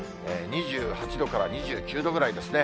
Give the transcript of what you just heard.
２８度から２９度ぐらいですね。